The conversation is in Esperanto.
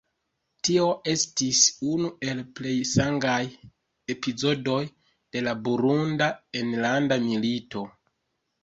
Tio estis unu el plej sangaj epizodoj de la Burunda enlanda milito.